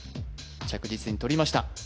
着実に取りました